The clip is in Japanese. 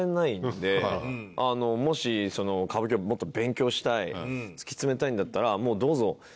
もし歌舞伎をもっと勉強したい突き詰めたいんだったらもうどうぞ。